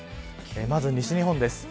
まず西日本です。